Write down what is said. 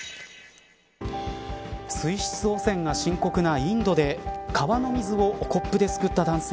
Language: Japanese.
水質汚染が深刻なインドで川の水をコップですくった男性。